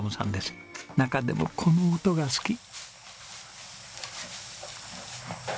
中でもこの音が好き。